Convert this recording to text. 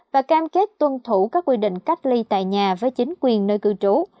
và cam kết tuân thủ các quy định cách ly tại nhà với chính quyền nơi cư trú